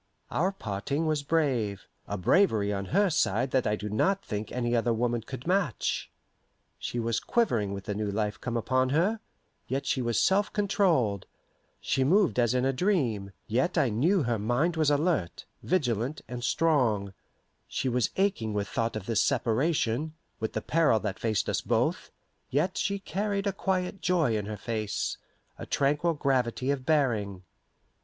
Our parting was brave a bravery on her side that I do not think any other woman could match. She was quivering with the new life come upon her, yet she was self controlled; she moved as in a dream, yet I knew her mind was alert, vigilant, and strong; she was aching with thought of this separation, with the peril that faced us both, yet she carried a quiet joy in her face, a tranquil gravity of bearing.